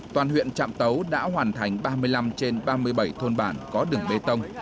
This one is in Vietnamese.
toàn huyện trạm tấu đã hoàn thành ba mươi năm trên ba mươi bảy thôn bản có đường bê tông